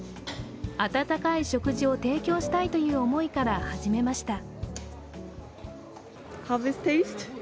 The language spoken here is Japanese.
温かい食事を提供したいという思いから始めました。